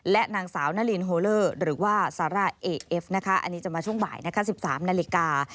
และนางสาวนารินโฮเลอร์หรือว่าซาร่าเอเอฟนะคะอันนี้จะมาช่วงบ่ายนะคะ๑๓นาฬิกา